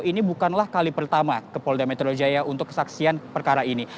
ini bukanlah kali pertama ke polda metro jaya untuk kesaksian perkara ini